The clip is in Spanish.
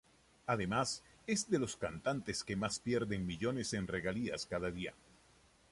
Además, es de los cantantes que más pierden millones en regalías cada día.